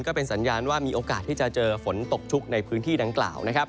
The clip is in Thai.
ก็เป็นสัญญาณว่ามีโอกาสที่จะเจอฝนตกชุกในพื้นที่ดังกล่าวนะครับ